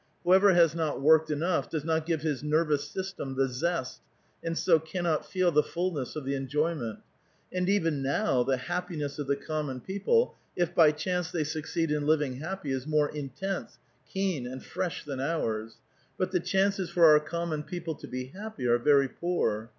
Whoever has not worked enough does not give his nervous system the zest, and so cannot feel the fulness of the enjoyment. And even now the happiness of the common people, if by chance they succeed in living happ3', is more intense, keen, and fresh than ours ; but the chances for our common people to be happy are very poor.